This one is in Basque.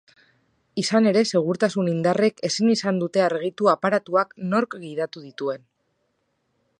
Izan ere, segurtasun indarrek ezin izan dute argitu aparatuak nork gidatu dituen.